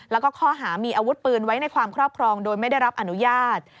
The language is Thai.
แล้วก็ข้อหามีอาวุธปืนไว้ในความครอบครองโดยไม่ได้รับอนุญาต